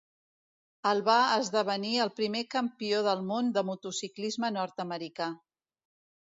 El va esdevenir el primer campió del món de motociclisme nord-americà.